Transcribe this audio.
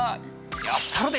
「やったるでい！」